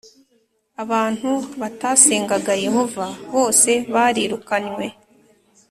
abantu batasengaga Yehova bose barirukanywe